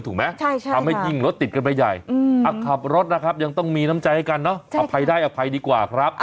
ทำให้ยิ่งรถติดกันไปใหญ่ขับรถนะครับยังต้องมีน้ำใจให้กันเนอะอภัยได้อภัยดีกว่าครับ